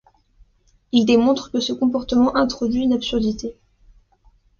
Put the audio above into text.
Il démontre que ce comportement introduit une absurdité.